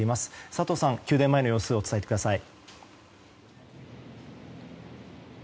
佐藤さん、宮殿前の様子を伝えてください。